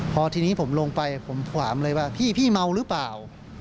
พอทีนี้ผมลงไปผมถามเลยว่าพี่เมาหรือเปล่า